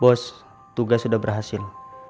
bos tugas sudah berhasil